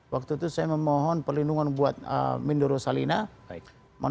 waktu itu saya memohon perlindungan buat mindoro salina